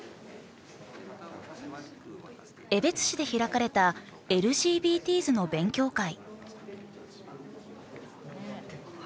江別市で開かれたＬＧＢＴｓの勉強会。